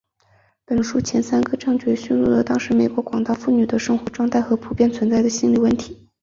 本书在前三个章节论述了当时美国广大妇女的生活状态和普遍存在的心理问题。